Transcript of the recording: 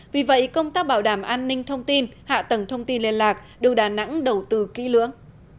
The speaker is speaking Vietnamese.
vì vậy công tác bảo đảm an ninh thông tin hạ tầng thông tin liên lạc được đà nẵng đầu tư kỹ lưỡng